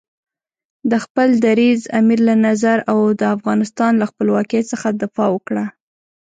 د خپل دریځ، امیر له نظر او د افغانستان له خپلواکۍ څخه دفاع وکړه.